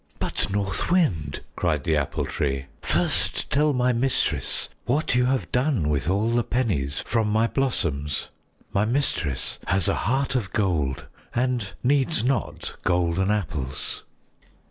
"But North Wind!" cried the Apple Tree. "First tell my mistress what you have done with all the pennies from my blossoms. My mistress has a heart of gold and needs not golden apples."